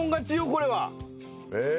これは。え。